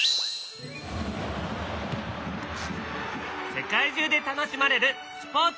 世界中で楽しまれるスポーツ！